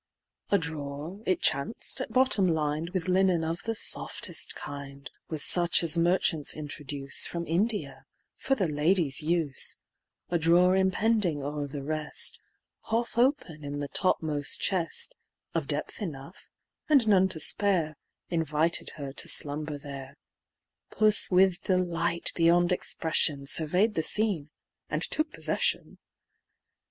A drawer, it chanced, at bottom lined With linen of the softest kind, With such as merchants introduce From India, for the ladies' use, A drawer impending o'er the rest, Half open in the topmost chest, Of depth enough, and none to spare, Invited her to slumber there; Puss with delight beyond expression, Survey'd the scene, and took possession.